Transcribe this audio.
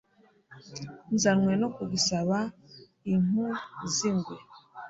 nzanywe no kugusaba impu z'ingwe